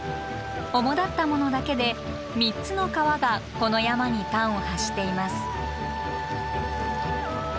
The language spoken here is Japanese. おもだったものだけで３つの川がこの山に端を発しています。